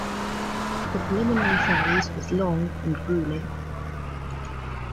The preliminary phase was long and grueling.